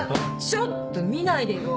ちょっと見ないでよ！